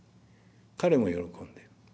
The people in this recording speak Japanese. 彼も喜んでる。